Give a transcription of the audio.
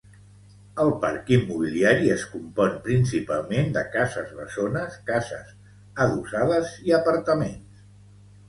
El parc immobiliari es compon principalment de cases bessones, cases adossades i apartaments.